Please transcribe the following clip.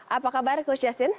apa kabar coach justin